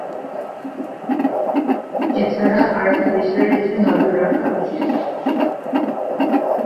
এছাড়া আরেকটি বিষয়ের দিকে নজর রাখা উচিত।